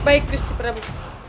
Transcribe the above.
baik gusti prabu